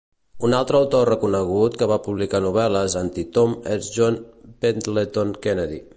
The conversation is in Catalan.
Un altre autor reconegut que va publicar novel·les anti-Tom és John Pendleton Kennedy.